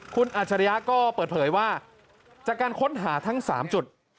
คุณอัจฉริยะก็เปิดเผยว่าจากการค้นหาทั้ง๓จุด